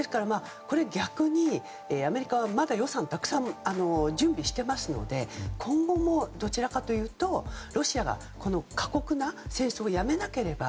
逆に、アメリカはまだ予算をたくさん準備していますので今後もどちらかというとロシアが過酷な戦争をやめなければ